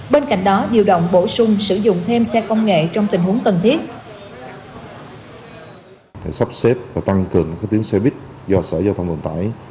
bên cạnh đó điều động bổ sung sử dụng thêm xe công nghệ trong tình huống cần thiết